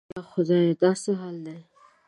یا خدایه دا څه حال دی؟